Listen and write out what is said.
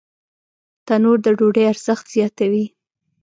تنور د ډوډۍ ارزښت زیاتوي